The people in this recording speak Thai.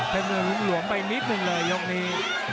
เทพนุนรุมไปนิดนึงเลยยกนี้